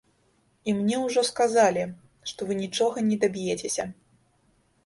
І мне ўжо сказалі, што вы нічога не даб'ецеся.